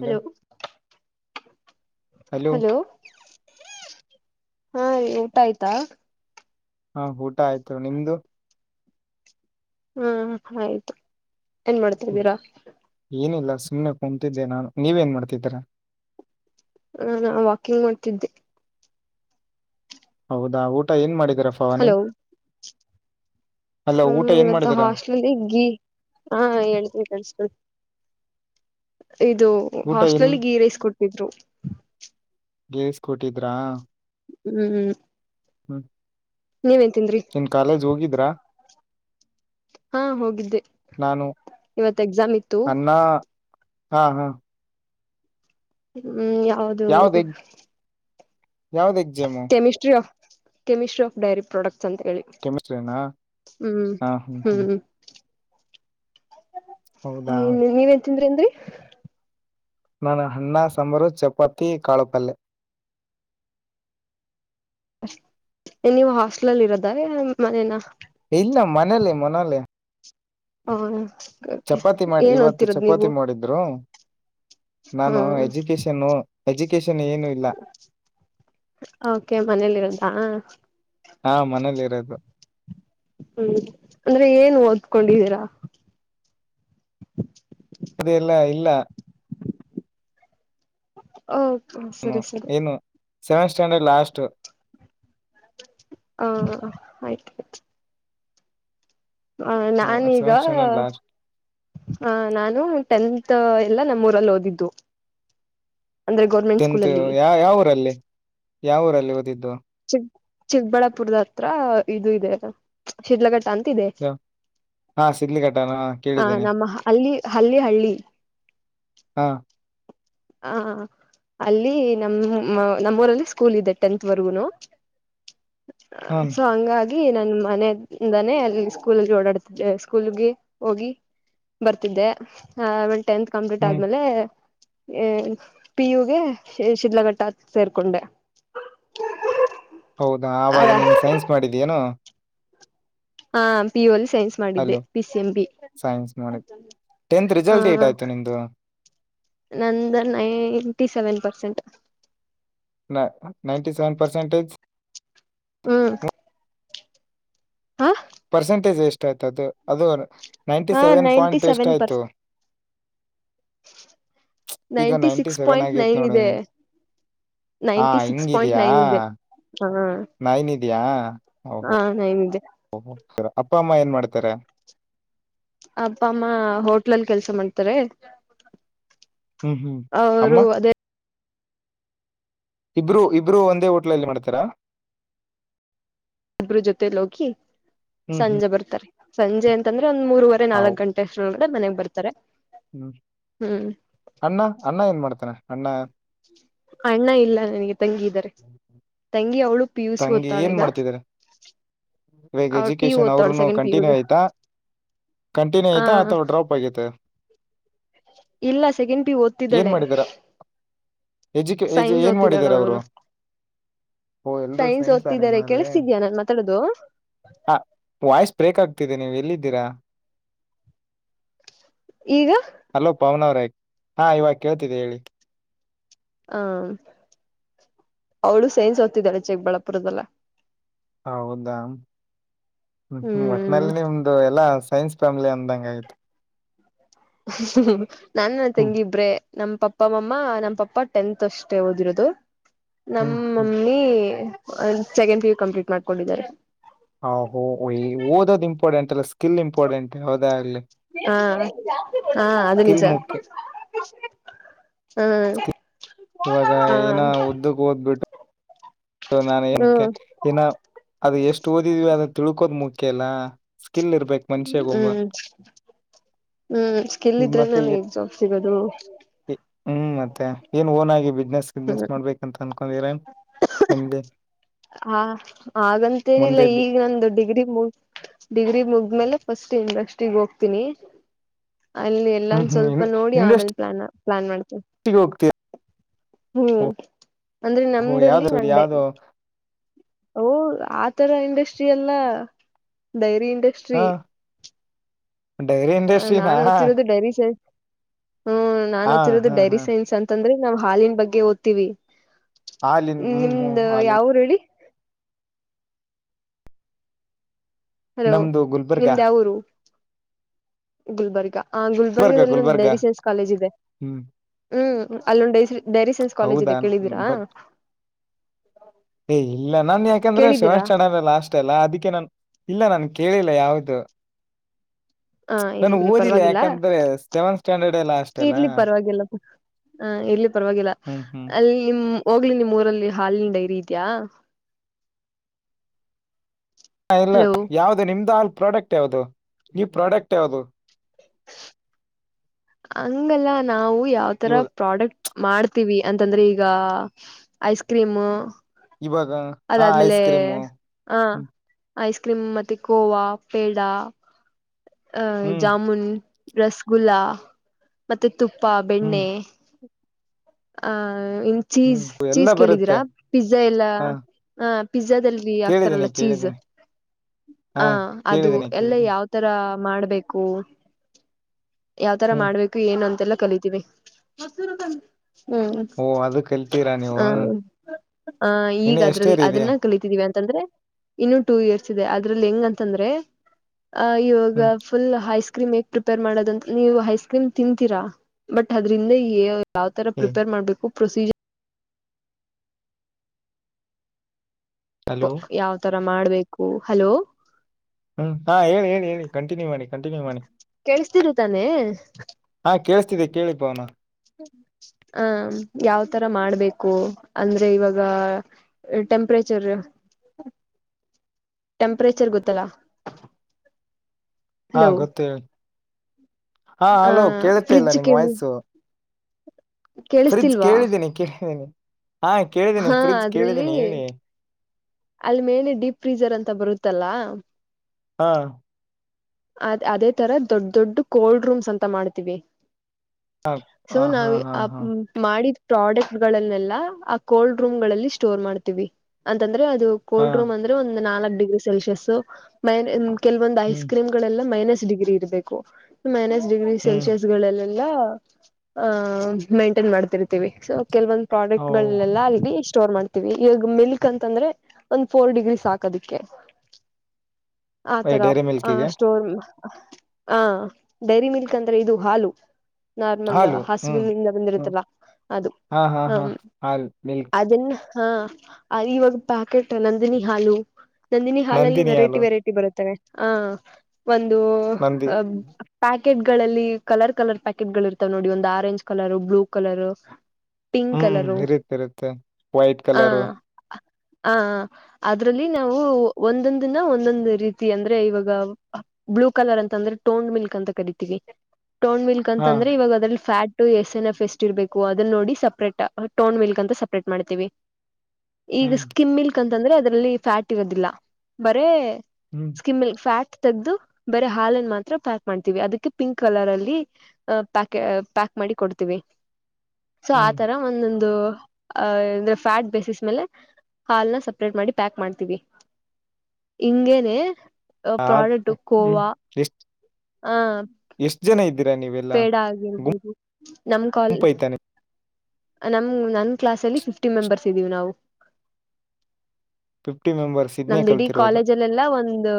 Hello hello ಹಾ ಊಟ ಆಯ್ತಾ ಹಾ ಊಟ ಆಯ್ತು ನಿಮ್ದು ಹ್ಮ ಆಯ್ತು ಏನ್ ಮಾಡ್ತರಿ ಬೀರಾ ಏನಿಲ್ಲ ಸುಮ್ನೆ ಕುಮ್ತಿದ್ದೆ ನಾನು ನೀವ ನ್ ಮಾಡ್ತಿದ್ದರ ಹ ನಾ ವಾಕಿಂಗ್ ಮಾಡ್ತಿದ್ದೆ ಹೌದಾ ಊಟ ಏನ್ ಮಾಡಿದೀರ ವಾನಿ ಹಲೋ ಹ್ಮ ಇವತ್ತು ಹಾಸ್ಟ್ಲ್ ಗಿ ಹ ಹೇಳ್ತೀಿ ಕಳ್ಸ್ತ ಇದು ಊಟ ಏನ್ ಹಾಸ್ಟೆಲ್ ಗೀ ರೈಸ್ ಕೊಡ್ಟ್ಟಿದ್ರು ೇಲ್ಸ್ಕೊಟ್ಟಿದ್ರಾ ಹ್ಮ್್ಮ್ ಹ್ಮ್ ನೀನ್ ಕಾಲೇಜ್ ಹೋಗಿದ್ರಾ ಹಾ ಹೋಗಿದ್ದೆ ನಾನು ಇವತ್ ಎಕ್ಸಾಮ್ ಇತ್ತು ಅನ್ನ ಹಾ ಹಾ ಹ್ಮ್ ಯಾವದು ಯಾವ್ದ exam chemistry of dairy products ಅಂತ ಹೇಳಿ ಕೆಮಿಸ್ಟ್ರಿನಾ ಹ್ಮ್ ಹಾ ಹ್ಮ್ ಹ್ಮ್ ಹ್ಮ್್ಮ್ ಹೌದಾ ನ್ ನೀವನ್ ತಿಂದ್ರಿ ನ್ರಿ ನಾನ ಅಣ್ಣ ಸಾಂಬಾರ ಚಪಾತಿ ಕಾಳುಪಲ್ಲೆ ನೀವು ಹಾಸ್ಟಲಲ್ಲಿ ಇರೋದಾರೆ ಮನೇನ ಇಲ್ಲ ಮನೆಲ ಮನಾಲ ಹಾ ಮಾಡಿ ಏನ್ ಇವತ್ತು ಹ್ತ್ತಿರೋದ್ ನೀವು ಚಪಾತಿ ಮಾಡಿದ್ರು ನಾನು ಹ್ಮ ಎಜುಕೇಶನ್ನು ಎಜುಕೇಶನ್ ಏನು ಇಲ್ಲ ಓಕೆ ಮನೇಲಿ ಇರದಾ ಹಾ ಮನೇಲಿ ಇರೋದು ಹ್ಮ್ ಅಂದ್ರೆ ಏನ್ ಓದ್ಕೊಂಡಿದ್ದೀರಾ ಅದೆಲ್ಲ ಇಲ್ಲ ಓ ಏನು ಸರಿ ಸರಿ ಏನು ಸೆವೆಂತ್ ಸ್ಟ್ಯಾಂಡರ್ಡ್ ಲಾಸ್ಟ್ ಹ ಆಯ್ತ ಆಯ್ತು ಹ ನಾನೀಗ ಸೆವೆಂತ್ ಸ್ಟ್ಯಾಂಡರ್ಡ್ ಲಾಸ್ಟ್ ನಾನು ಟೆಂತ್ ಮತ್ತ ಎಲ್ಲಾ ನಮ್ಮೂರಲ್ಲಿ ಓದಿದ್ದು ಅಂದ್ರೆ ಗೌರ್ಮೆಂಟ್ ಸ್ಕೂಲ್ ಟೆಂತ್ ಅಲ್ಲಿ ಯ ಯಾವ ಊರಲ್ಲಿ ಯಾವ ಊರಲ್ಲಿ ಓದಿದ್ದು ಚಿಕ್ ಚಿಕ್ಕಬಳ್ಳಾಪುರದ ಹತ್ರ ಇದು ಇದೆ ಅ ಶಿಲಗ ಅಂತಿದೆ ಯಾವ- ಹಾ ಸಿಡ್ಲಿಘಟ್ಟನ ಹಾ ಹ ಕೇಳಿದ್ದೇನೆ ನಮ್ಮ ಅಲ್ಲಿ ಹಲ್ಲಿ ಹಳ್ಳಿ ಹಾ ಹಾ ಅಲ್ಲಿ ನಮ್ಮ ನಮ್ಮೂರಲ್ಲಿ ಸ್ಕೂಲ್ ಇದೆ ಟೆಂತ್ ವರೆಗೂನು ಹ್ಮ್ ಸಂಗ ಅ ನನ್ ಮನೆಿಂದನೆ ಅಲ್ಲಿ ಸ್ಕೂಲ್ ಓಡಾಡ್ತಿದ್ದೆ ಸ್ಕೂಲ್ಗೆ ಹೋಗಿ ಬರ್ತಿದ್ದೆ ಆೇ ಟೆಂತ್ ಕಂಪ್ಲೀಟ್ ಹ್ಮ್ ಆದ್ಮೇಲೆ ಹ ಪಿಯುಗೆ ಶಿಲಘಟ್ಟ ಸೇರ್ಕೊಂಡೆ ಹೌದಾ ಆವಾಗ ಅದ ನೀನು ಸೈನ್ಸ್ ಮಾಡಿದೀನುೋ ಹಾ ಪೂಲ್ ಸೈನ್ ಮಾಡಿದ್ದೆ ಅಲ್ಲೋ ಪ ಸಿ ಎಂ ಬಿ ಸೈನ್ಸ್ ಮಾಡಿದ್ ಟೆಂತ್ ಹ ರಿಸಲ್ಟ್ ಏಟ್ ಆಯ್ತು ನಿಂದು ನಂದ ನೈಂಟಿ ಸೆವೆನ್ ಪರ್ಸೆಂಟ್ ನ ನೈಂಟಿ ಸೆವೆನ್ ಪರ್ಸೆಂಟೇಜ್ ಹ್ಮ ಹ ಪರ್ಸೆಂಟೇಜ್ ಎಷ್ಟ ಆಯ್ತದು ಅದು ನೈಂಟಿ ಹ ಸೆವೆನ್ ನೈಂಟಿ ಪಾಯಿಂಟ್ ಸೆವೆನ್ ಎಷ್ಟಾಯಿತು ಪರ್ಸೆಂಟ್ ಈಗ ನೈಂಟಿ ಸಿಕ್ಸ್ ಸೆವೆನ್ ಪಾಯಿಂಟ್ ಆಗೇತ್ ನೈನ್ ನೋಡ ಇದೆ ಹಾ ನೈಂಟಿ ಸಿಕ್ಸ್ ಪಾಯಿಂಟ್ ಹಿಂಗಿದ್ಯಾ ನೈನ್ ಇದೆ ಹ ನೈನದ್ಯಾ ಓಹೋ ಹ ನೈನ್ ಇದೆ ಓ ಸರಿ ಅಪ್ಪ ಅಮ್ಮ ಏನ್ ಮಾಡತಾರೆ. ಅಪ್ಪ ಅಮ್ಮ ಹೋಟ್ಲಲ್ ಕೆಲ್ಸ ಮಾಡ್ತಾರೆ. ಹ್ಮ್ ಹ್ಮ್ ಅಮ್ಮ ಅವರು ಅದೇ ಇಬ್ರು ಇಬ್ರು ಒಂದೇ ಹೋಟ್ಲಲ್ಲಿ ಮಾಡ್ತಾರಾ ಇಬ್ರ ಜೊತೇಲಿ ಹೋಗಿ ಹ್ಮ್ ಹ್ಮ್ ಸಂಜೆ ಬರ್ತಾರೆ ಸಂಜೆ ಅಂತಾನೆ ಒಂದ್ ಮೂರುವರೆ ಹೌ ನಾಲ್ಕಕ್ ಗಂಟೆ ಅಷ್ಟೋರಳಗೆ ಮನೆಗ್ ಬರ್ತಾರೆ. ಹ್ಮ್ ಹ್ಮ್ ಅಣ್ಣ ಅಣ್ಣ ಏನ್ ಮಾಡ ಅಣ್ಣ ಅಣ್ಣ ಇಲ್ಲ ನನಗೆ ತಂಗಿ ಇದ್ದಾರೆ ತಂಗಿ ಅವಳು ಪಿ ಯು ಸಿ ತಂಗಿ ಏನ್ ಓದ್ತಾಳೆಗ ಮಾಡ್ತಿದಾರೆ ಇವಾಗ್ ಅವಳು ಪಿ ಯು ಎಜುಕೇಶನ್ ಓದ್ತಾಳೆ ಅವರುೂನು ಸೆಕೆಂಡ್ ಪಿ ಯು ಕಂಟಿನ್ಯೂ ಗ ಆಯ್ತಾ ಕಂಟಿನ್ಯೂ ಆ ಐತಾ ಅಥವಾ ಡ್ರಾಪ್ ಆಗೈತೆ ಇಲ್ಲ ಸೆಕೆಂಡ್ ಪಿಯು ಏನ್ ಓದ್ತಿದ್ದಾಳೆ ಮಾಡಿದಾರ ಎಜುಕೇ ಎಜು ಸೈನ್ಸ್ ಏನ್ ಓದತಿದಾಳೆ ಮಾಡಿದಾರೆ ಅವರು ಅವಳೂನು ಓ ಎಲ್ರು ಸೈನ್ಸ್ ಓದ್ತಿದ್ದಾರೆ ನಿಮ್ಮಲ್ಲಿ ಕೇಳಿಸತಿದ್ಯಾ ನಾನ್ ಮಾತಾಡೋದು ಹ ವಾಯ್ಸ್ ಬ್ರೇಕ್ ಆಗ್ತಿದೆ ನೀವು ಎಲ್ಲಿದ್ದೀರಾ. ಈಗ ಹಲೋ ಪಾವನ ಅವ್ರೇ ಹಾ ಇವಾಗ ಕೇಳ್ತಿದ್ದ ಹೇಳಿ ಹ್ಮ ಅವಳು ಸೈನ್ಸ್ ಓದತಿದಾಳೆ ಚಿಕ್ಬಳ್ಳಾಪುರದಲ್ಲ ಹೌದಾ ಹ್ಮ ಒಟ್ನಲ್ಲಿ ಹ್ಮ್ ನಿಮ್ದು ಎಲ್ಲಾ ಸ್ ಸೈನ್ಸ್ ಫ್ಯಾಮಿಲಿ ಅಂದಂಗ ಆಯ್ತು ನಾನ್ ನನ್ ಹ್ಮ್ ತಂಗಿ ಇಬ್ಬರೇ ನಮ್ ಪಪ್ಪ ಮಮ್ಮ ನಮ್ ಪಪ್ಪ ಟೆಂತ್ ಅಷ್ಟೇ ಓದಿರೋದು. ಹ್ಮ್ ನಮ್ಮ ಹ್ಮ್ ಮಮ್ಮಿ ಸೆಕೆಂಡ್ ಪಿಯು ಕಂಪ್ಲೀಟ್ ಮಾಡ್ಕೊಂಡಿದ್ದಾರೆ. ಇಂಪಾರಡೆಂಟ್ ಅಲ್ಲ ಸ್ಕೀಲ್ ಇಂಪಾರಡೆೆಂಟ್ ಯಾವದೇ ಆಗಲಿ ಹಾ ಹಾ ಅದು ಸ್ಕಿಲ್ ನಿಜ ಮುಖ್ಯ ಹ್ಮ್ ಸ್ಕಿಲ್ ಇವಾಗ ಹಾ ನಾನ ಏಕ್ಕೆ ಹ್ಮ್ ಏನ ಅದು ಎಷ್ಟು ಓದಿದೀವಿ ಅದನ್ನ ತಿಳ್ಕೋದ ಮುಖ್ಯ ಅಲ್ಲ. ಸ್ಕಿಲ್ ಇರಬೇಕ್ ಮನುಷ್ಯಾಗೊಮ್ಮೆ ಹ್ಮ್ ಹ್ಮ್ ಸ್ಕಿಲ್ ಇದ್ರನಲ್ಲ ಈಗ್ ಜಾಬ್ ಸಿಗದು ಏ- ಹ್ಮ್ ಮತ್ತೆ ಏನ್ ಓನ್ ಆಗಿ ಬಿಸ್ನೆಸ್ ಹ್ಮ ಗಿಸ್ನೆಸ್ ಮಾಡ್ಬೇಕಂತ ಅನ್ಕೊಂಡಿದಿರಾ ನಿಮ್ಗೆ ಹಾ ಹಾಗಂತೇನಿಲ್ಲ ಮುಂದೆ ಬಿ- ಈಗ ನಂದು ಡಿಗ್ರಿ ಮುಗ ಡಿಗ್ರಿ ಮುಗ ಆಮೇಲೆ ಫಸ್ಟ್ ಇಡಸ್ಟ್ರಿ ಈಗ ಹೋಗ್ತೀನಿ ಅಲ್ಲಿ ಹ್ಮ್ ಎಲ್ಲನು ಸ್ವಲ್ಪ ಹ್ಮ್ ನೋಡಿ ಆಮೇಲ್ ಇಂಡಸ್ಟ್ರಿಗೆ ಪ್ಲಾನ್ ಪ್ಲಾನ್ ಮಾಡ್ತೇವಿ ಹೋಗ್ತೀರ ಹ್ಮ್ ಅಂದ್ರೆ ಓಹೋ ನಮ್ದಲ್ಲಿ ಯಾವ್ದ ನಂಡೆ ಯಾವ್ದು ಓ ಆತರ ಇಂಡಸ್ಟ್ರಿ ಎಲ್ಲ ಡೈರಿ ಹ ಇಂಡಸ್ಟ್ರಿ ಡೈರಿ ಇಂಡಸ್ಟ್ರಿಿನ ನಾನ್ ಓದ್ತಿರೋದು ಡೈರಿ ಸೈನ್ಸ್ ಹ್ಮ್ ನಾನ್ ಓದ್ತಿರೋದು ಹಾ ಡೈರಿ ಹಾ ಸೈನ್ಸ್ ಅಂತಂದ್ರೆ ನಾವ್ ಹಾಲಿನ ಬಗ್ಗೆ ಓದ್ತಿವಿ. ಹಾಲಿನ್ ಹ್ಮ್ ನಿಮ್ದ ಹ್ಮ್ ಹಾಲಿನ್ ಯಾವರು ಹೇಳಿ ಹಲೋ ನಮ್ದು ಗುಲ್ಬರ್ಗಾ ನಿಮ್ದ ಯಾವಊರು ಗುಲ್ಬರ್ಗ ಆ ಗುಲ್ಬರ್ಗ ಗುಲ್ಬರ್ಗದಲ್ಲಿ ಒಂದು ಗುಲ್ಬರ್ಗ ಡೈರಿ ಸೈನ್ಸ್ ಕಾಲೇಜ್ ಇದೆ ಹ್ಮ್ ಹ್ಮ್ ಅಲ್ಲೊಂದು ಡೈ ಡೈರಿ ಸೈನ್ಸ್ ಕಾಲೇಜ್ ಹೌದಾ ಇದೆ ಕೇಳಿದೀರಾ. ಬಟ್ ಏ ಇಲ್ಲ ನಾನ್ ಯಾಕಂದ್ರೆ ಸೆವೆನ್ ಕೇಳಿದೀರಾ ಸ್ಟ್ಯಾಂಡರ್ಡ್ ಲಾಸ್ಟ ಎಲ್ಲಾ ಅದಕ್ಕೆ ನಾನ್ ಇಲ್ಲ ನನ್ ಕೇಳಿಲ್ಲ ಯಾವ್ದು ಹಾ ನಾನು ಇರ್ಲಿಿ ಓದಿಲ್ಲ ಪರವಾಗಿಲ್ಲ ಯಾಕಂದ್ರೆ ಸೆವೆನ್ ಸ್ಟ್ಯಾಂಡರ್ಡ್ ಎಲ್ಲ ಅಷ್ಟೆ ಅಲ್ಲ ಇರ್ಲಿ ಪರವಾಗಿಲ್ಲ ಹ ಎಲ್ಲಿ ಪರವಾಗಿಲ್ಲ ಹ್ಮ್ ಹ್ಮ್ ಅಲ್ಲಿ ಹೋಗ್ಲಿ ನಿಮ್ಮೂಊರಲ್ಲಿ ಹಾಲಿನ್ ಡೈರಿ ಇದಿಯಾ ಹಾ ಇಲ್ಲ ಯಾವವು್ದ ನಿಮ್ದ ಅಲ್ ಪ್ರಾಡಕ್ಟ್ ಯಾವದು ನೀ ಪ್ರಾಡಕ್ಟ್ ಯಾವವು್ದದು ಹಂಗಲ್ಲ ನಾವು ಯಾವತರ ಇವಾಗ ಪ್ರಾಡಕ್ಟ್ ಮಾಡ್ತೀವಿ ಅಂತಂದ್ರೆ ಈಗ ಐಸ್ ಕ್ರೀಮ ಇವಾಗ ಹಾ ಅದಾದ್ಮೇಲೆ ಐಸ್ ಕ್ರೀಮು ಹಾ ಹ್ಮ್ ಐಸ್ ಕ್ರೀಮ್ ಮತ್ತೆ ಕೋವಾ ಪೇಡ ಅ ಹ್ಮ್ ಜಾಮೂನ್ ರಸಗುಲ್ಲಾ ಮತ್ತೆ ತುಪ್ಪ ಹ್ಮ್ ಬೆಣ್ಣೆ ಆಹ ಇ ಹ್ಮ್ ಚೀಸ್ ಎಲ್ಲ ಚೀಸ್ ಬರುತ್ತೆ ಕೇಳಿದೀರಾ ಪಿಜ್ಜಾ ಎಲ್ಲಾ ಹಾ ಹ ಪಿಜ್ಜಾದಲ್ಲಿ ಕೇಳಿದ್ದೀನಿ ಆಗ್ತಾರಲ್ಲ ಚೀಸ್ ಕೇಳಿದ್ದೀನಿ ಹ ಹಾ ಅದು ಕೇಳಿದ್ದೀನಿ ಎಲ್ಲ ಕೇಳಿದ್ದೀನಿ ಯಾವ ತರ ಮಾಡಬೇಕು ಯಾವತರ ಹ್ಮ್ ಮಾಡ್ಬೇಕು ಏನು ಅಲ್ಲ [inaudible] ಕಲಿತೀವಿ ಹ್ಮ್ ಓ ಅದು ಕಲ್ತೀರಾ ನೀವು ಹ ಹ ಈಗ ಇನ್ನು [inaudible] ಎಷ್ಟೇರಿ ಇದೆ ಅದನ್ನ ಕಲಿತಿದೀವಿ ಅಂತಂದ್ರೆ ಇನ್ನುೂ ಟೂ ಇಯರ್ಸ್ ಇದೆ ಅದ್ರಲ್ಲಿ ಹೆಂಗಂತಂದ್ರೆ [inaudible] ಆ ಯೋಗ ಹ್ಮ್ ಫುಲ್ ಹೈಸ್ಕೂ ಕ್ರಮ್ ಹ ಪ್ರಿಪೇರ್ ಮಾಡೋದ ನೀವು ಐಸ್ ಕ್ರೀಮ್ ತಿಂತೀರಾ ಬಟ್ ಅದ್ರಿಂದ ಯಾವ್ ತರ ಏ ಪ್ರಿಪೇರ್ ಮಾಡ್ಬೇಕು ಪ್ರೊಸೀಜರ್ ಹಲೋ ಯಾವ್ತರ ಮಾಡ್ಬೇಕು ಹಲೋ ಹ್ಮ್ ಹಾ ಹೇಳಿ ಹೇಳಿ ಹೇಳಿ ಕಂಟಿನ್ಯೂ ಮಾಡಿ ಕಂಟಿನ್ಯೂ ಮಾಡಿ ಗೊತ್ತಿರು ತಾನೆ ಕೇಳ್ತಿದ್ದೆ ಕೇಳಿ ಪವನ ಹ ಯಾವ್ತರ ಮಾಡ್ಬೇಕು ಅಂದ್ರೆ ಇವಾಗ ಟೆಂಪ್ರೇಚರ್ [unintelligible] ಟೆಂಪರೇಚರ್ ಗೊತ್ತಲ್ಲಾ ಹಾ ಗೊತ್ತೇಿ ಹಾ ಆ ಹಲೋ ಕೇಳುಸ್ತಾ ಇಲ್ಲ ಫ್ರಿಜ್ ನಿಮ್ಮ್ ಕೇಳಿ ವಯ್ಸು ಫ್ರಿಜ್ ಕೇಳಿಸ್ತಿಲ್ವಾ ಕೇಳಿದ್ದೀನಿ ಕೇಳಿದ್ದೀನಿ ಹಾ ಕೇಳಿದ್ದೀನಿ ಫ್ರಿಜ್ ಕೇಳಿದ್ದೀನಿ ಹೇಳಿ ಅಲ್ ಮೇಲೆ ಡೀಪ್ ಫ್ರೀಜರ್ ಅಂತ ಬರುತ್ತಲ್ಲ ಹಾ ಅದ ಅದೇ ತರ ದೊಡ್ ದೊಡ್ಡ ಕೋಲ್ಡ್ ರೂಮ್ಸ್ ಅಂತ ಮಾಡ್ತೀವಿ ಹಾ ಸೊ ಹಾ ನಾವ್ ಹಾ ಹಾ ಆ ಹಾ ಮಾಡಿದ್ ಪ್ರಾಡಕ್ಟ್ ಗಳನ್ನೆಲ್ಲಾ ಆ ಕೋಲ್ಡ್ ರೂಮ್ ಗಳಲ್ಲಿ ಸ್ಟೋರ್ ಮಾಡ್ತೀವಿ ಅಂತಂದ್ರೆ ದು ಹಾ ಕೋಲ್ಡ್ ರೂಮ್ ಅಂದ್ರೆ ಒಂದು ನಾಲ್ಕ್ ಡಿಗ್ರಿ ಸೆಲ್ಸಿಯಸ್ ಮ ಕೆಲವೊಂದು ಐಸ್ ಹ್ಮ್ ಕ್ರೀಮ್ ಮೈನಸ್ ಡಿಗ್ರಿ ಹ್ಮ್ ಸೆಲ್ಸಿಯಸ್ ಇರಬೇಕು ಮೇಂಟೈನ್ ಮಾಡ್ತಿರ್ತವಿ ಸೋ ಕೆಲವೊಂದ್ ಓ ಪ್ರಾಡಕ್ಟ್ ಗಳೆಲ್ಲ ಅಲ್ಲಿಗೆ ಇಷ್ಟ ಸ್ಟೋರ್ ಮಾಡ್ತೀವಿ ಈವಾಗ ಮಿಲ್ಕ್ ಅಂತಂದ್ರೆ ಒಂದ ಫೋರ್ ಡಿಗ್ರಿ ಸಾಕದಿಕ್ಕೆ ಡೈರಿ ಮಿಲ್ಕ್ ಆ ಸ್ಟೋರ್ ಆ ಡೈರಿ ಮಿಲ್ಕ್ ಅಂದ್ರೆ ಇದು ಹಾಲು ನಾರ್ಮಲ್ ಹಾಲು ಹ್ಮ್ ಹಸುಿಂದ ಹ್ಮ್ ಬಂದಿರುತ್ತಲ್ಲ ಅದು ಹಾ ಹಾ ಹ ಹಾ ಹಾಲು ಮಿಲ್ಕ್ ಅದನ್ನ ಹಾ ಇವಾಗ ಪ್ಯಾಕೆಟ್ ನಂದಿನಿ ಹಾಲು ನಂದಿನಿ ಹಾಲಲ್ಲಿ ವೆರೈಟಿ ವೆರೈಟಿ ಬರುತ್ತೆ ಹ ಒಂದು ನಂದಿ ಪ್ಯಾಕೆಟ್ಗಳಲ್ಲಿ ಕಲರ್ ಕಲರ್ ಪ್ಯಾಕೆಟ್ ಗಳು ಇರ್ತಾವ ನೋಡಿ ಒಂದು orange colour blue colour pink ಹ್ಮ್ ಕಲರು ಇರುತ್ತೆ ಇರುತ್ತೆ ವೈಟ್ ಹ ಕಲರು ಹ ಅದ್ರಲ್ಲಿ ನಾವು ಒಂದೊಂದಿನ ಒಂದೊಂದು ರೀತಿ ಅಂದ್ರೆ ಇವಾಗ ಬ್ಲೂ ಕಲರ್ ಅಂತ ಅಂದ್ರೆ ಟೋಂಡ್ ಮಿಲ್ಕ್ ಅಂತ ಕರಿತೀವಿ ಟೌನ್ ಮಿಕ್ ಹಾ ಅಂದ್ರ ಇವಾಗ ಅದಲ್ಲಿ ಫ್ಯಾಟ್ ಎಸ್ ಎನ್ ಎಫ್ ಎಸ್ಟ್ ಇರ್ಬೇಕು ಅದನ್ನ ನೋಡಿ ಸಪ್ರೇಟ್ ಟೌನ್ ಮಿಲ್ಕ್ ಅಂತ ಸಪ್ರೇಟ್ ಮಾಡ್ತೀವಿ ಈಗ ಹ್ಮ್ ಸ್ಕಿಮ್ ಮಿಲ್ಕ್ ಅಂತಂದ್ರೆ ಅದರಲ್ಲಿ ಫ್ಯಾಟ್ ಇರೋದಿಲ್ಲ ಬರೇ ಹ್ಮ್ ಸ್ಕಿಮ್ಮಲ್ ಫ್ಯಾಟ್ ತ ಬರೆ ಹಾಲ ಮಾತ್ರ ಪ್ಯಾಕ್ ಮಾಡ್ವಿ ಅದಕ್ಕೆ ಪಿಂಕ್ ಕಲರ್ ಅಲ್ಲಿ ಪ್ಯಾ ಪ್ಯಾಕ್ ಮಾಡಿ ಕೊಡ್ತೀವಿ [unintelligible] ಸೊ ಆತರ ಒಂದೊಂದು ಅಂದ್ರೆ ಫ್ಯಾಟ್ ಬೇಸಿಸ್ ಮೇಲೆ ಹಾಲ್ನ ಸಪ್ರೇಟ್ ಮಾಡಿ ಪ್ಯಾಕ್ ಮಾಡ್ತೀವಿ ಹಂಗೇನೆ ಆ ಪಾಡಕ್ು ಹ್ಮ್ ಕೋವಾ ಎಷ್ಟ್ ಹ ಎಷ್ಟ್ ಜನ ಇದ್ದೀರಾ ನೀವೆಲ್ಲ ಬೇಡ ಆಗಿರ್ಬದು ನಮ್ ಕಲ್ ಗುಂಪು ಐತಾನೆ ನಮ ನನ್ ಕ್ಲಾಸ್ ಅಲ್ಲಿ ಫಿಫ್ಟಿ ಮೆಂಬರ್ಸ್ ಇದ್ದೀವಿ ನಾವು ಫಿಫ್ಟಿ ಮೆಂಬರ್ಸ್ ಇದ್ನೇ ನಮ್ದಿಡೀ ಕಲ್ತಿರೋದು ಕಾಲೇಜಲ್ಲೆಲ್ಲ ಒಂದು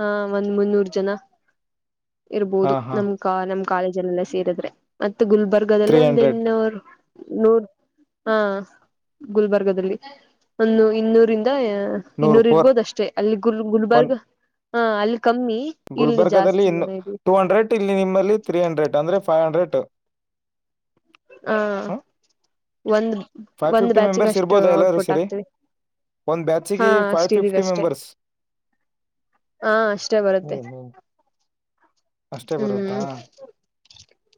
ಹ ಒಂದ್ ಮುನ್ನೂರು ಜನ ಹಾ ಇರ್ಬೋದು ಹಾ ನಮ್ ಕ ನಮ್ ಕಾಲೇಜಲ್ಲೆಲ್ಲ ಸೇರಿದ್ರೆ ಮತ್ತೆ ಮ ಗುಲ್ಬರ್ಗ್ ಅದೆಲ್ಲ ತ್ರೀ ಒಂದ್ ಹಂಡ್ರೆಡ್ ಇನ್ನ ಅವ್ರು ನೂರ್ ಹಾ ಗುಲ್ಬರ್ಗದಲ್ಲಿ ಒಂದು ಇನ್ನೂರಿ ಇ ನೂರ್ ಇನ್ನೂರು ಫೋರ್ ಇರ್ಬೋದ ಅಷ್ಟೇ ಅಲ್ಲಿ ಗುಲ್ ಗುಲ್ಬರ್ಗ ಹ ಅಲ್ಲಿ ಕಮ್ಮಿ ಇಲ್ಲಿ ಗುಲ್ಬರ್ಗದಲ್ಲಿ ಜಾಸ್ತಿ ಇನ್ನು ಜನ ಇದೀವಿ ಟೂ ಹಂಡ್ರೆಡ್ ಇಲ್ಲಿ ನಿಮ್ಮಲ್ಲಿ ತ್ರೀ ಹಂಡ್ರೆಡ್ ಅಂದ್ರೆ ಫೈವ್ ಹಂಡ್ರೆಡ್ ಹಾ ಒಂದ್ ಫೈವ್ ಒಂದ್ ಬ್ಯಾಚಿಗೆ ಅಷ್ಟು ಔಟ್ಪುಟ್ ಆಗ್ತವಿ ಒಂದು್ ಬ್ಯಾಚಿಗೆ ಫೈವ್ ಫಿಫ್ಟಿ ಮೆಂಬರ್ಸ್ ಹಾ ಅಷ್ಟೇ ಬರುತ್ತೆ ಹ್ಮ ಹ್ಮ ಅಷ್ಟೇ ಬರುತ್ತಾ ಹ್ಮ್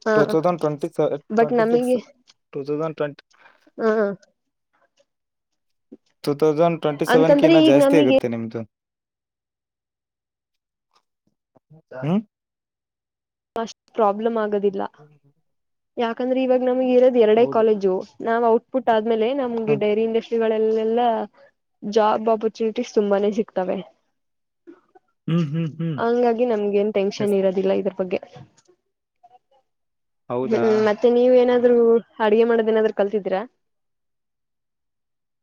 ಹ ಟೂ ತೌಸ ಟ್ಟ ಬಟ್ ಟ್ವೆಂಟಿ ಸಿಕ್ಸ್ ಟ ತೌಟ್ ಹಾ ಟೂ ತೌಸಂಡ್ ಟ್ವೆಂಟಿ ಸೆವೆನ್ಗೆ ಅಂತಂದ್ರೆ ಇನ್ನ ಈಗ ಜಾಸ್ತಿ ನಮಗೆ ಆಗುತ್ತೆ ನಿಮ್ದು ಹ್ಮ ಅಷ್ಟು ಪ್ರಾಬ್ಲಮ್ ಆಗೋದಿಲ್ಲ ಯಾಕಂದ್ರೆ ಇವಾಗ ನಮಗ ಇರೋದು ಎರಡೇ ಹೌದು ಕಾಲೇಜು ನಾವ್ ಔಟ್ಪುಟ್ ಆದ್ಮೇಲೆ ನಮ್ಗೆ ಡೈರಿ ಇಂಡಸ್ಟ್ರಿಗಳ ಲ್ಲೆಲ್ಲ ಜಾಬ್ ಆಪರ್ಚುನಿಟೀಸ್ ತುಂಬಾನೇ ಸಿಗ್ತವೆ ಹ್ಮ್ ಹ್ಮ್ ಹ್ಮ್ ಹ್ಮ್ ಹಂಗಾಗಿ ನಮ್ಗೆ ನ್ ಟೆನ್ಷನ್ ಎಸ್ ಇರೋದಿಲ್ಲ ಇದ್ರ ಬಗ್ಗೆ ಹೌದಾ ಹ್ಮ್ ಮತ್ತೆ ನೀವ ಏನಾದ ಅಡಗೆ ಮಾಡೋದೇಏನಾದ್ರು ಕಲ್ತಿದ್ದೀರಾ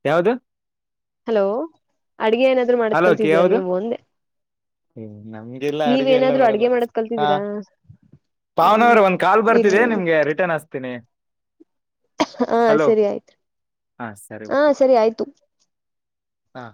ಯಾವ್ದ ಹಲೋ ಅಡ್ಗೆ ಏನಾದ್ರು ಮಾಡದ್ ಹಲೋ ಅಕ್ಕಿ ಕಲ್ತಿದ್ದೀರಾ ಯಾವ್ದು ನೀವು ಒಂದೆ ಹ್ಮ ನಮ್ಗೆಲ್ಲ ನೀವ್ ಅಡಗೆ ಎಲ್ಲ ಏನಾದ್ರು ಬರಲ್ಲ ಅಡ್ಗೆ ಮಾಡದ್ ಹಾ ಕಲ್ತಿದೀರಾ ಹ್ಮ್ ಪಾವನವ್ರ ಒಂದ್ ಕಾಲ್ ಇರ್ಲಿ ಬರ್ತಿದ್ದ ಇರ್ಲಿ ನಿಮ್ಗೆ ರಿಟರ್ನ್ ಹಸ್ತೀನಿ ಹಾ ಹಲೋ ಸರಿ ಆಯ್ತು ಹಾ ಸರಿ ಹಾ ಸರಿ ಆಯ್ತು ಹಾ